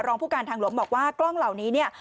ผู้การทางหลวงบอกว่ากล้องเหล่านี้เนี่ย